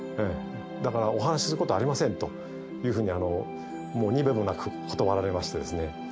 だからお話しすることありませんというふうににべもなく断られましてですね。